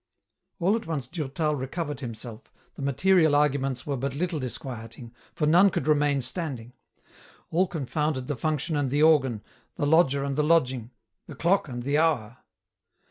All at once Durtal recovered himself, the material argu ments were but little disquieting, for none could remain standing : all confounded the function and the organ, the lodger and the lodging, the clock and the hour.